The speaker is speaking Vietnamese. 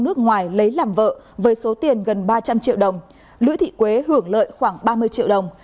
nước ngoài lấy làm vợ với số tiền gần ba trăm linh triệu đồng lữ thị quế hưởng lợi khoảng ba mươi triệu đồng